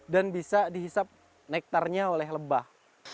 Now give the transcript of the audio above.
dan bisa dihisap nektarnya oleh lebah